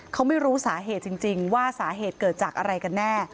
เขาไม่รู้สาเหตุจริงว่าสาเหตุเกิดจากอะไรกันแน่